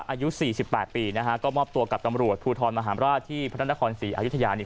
อายุสี่สิบแปดปีนะฮะก็มอบตัวกับตำรวจภูทรมหาราชที่พระนครศรีอายุทยาเนี่ย